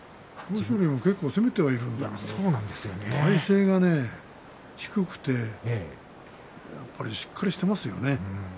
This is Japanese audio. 豊昇龍も結構攻めているんだけれども体勢が低くてしっかりしていますよね。